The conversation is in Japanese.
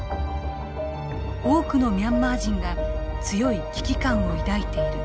多くのミャンマー人が強い危機感を抱いている。